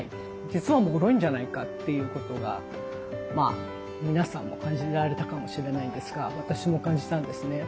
実はもろいんじゃないかということが皆さんも感じられたかもしれないんですが私も感じたんですね。